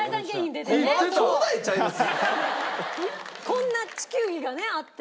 こんな地球儀があって。